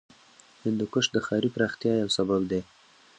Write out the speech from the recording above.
هندوکش د ښاري پراختیا یو سبب دی.